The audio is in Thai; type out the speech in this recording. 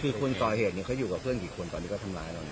คือคนก่อเหตุเขาอยู่กับเพื่อนกี่คนตอนนี้เขาทำร้ายเราเนี่ย